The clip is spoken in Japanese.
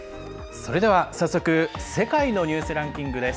それでは早速、「世界のニュースランキング」です。